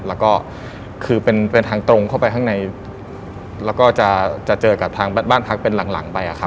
แล้วก็คือเป็นทางตรงเข้าไปข้างในแล้วก็จะเจอกับทางบ้านพักเป็นหลังไปอะครับ